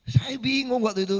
saya bingung waktu itu